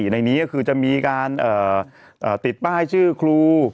ในนี้ก็คือจะมีการติดป้ายชื่อครู